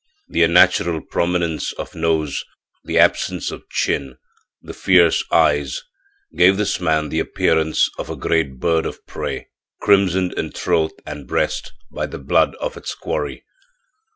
The unnatural prominence of nose, the absence of chin, the fierce eyes, gave this man the appearance of a great bird of prey crimsoned in throat and breast by the blood of its quarry.